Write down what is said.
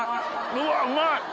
うわうまい！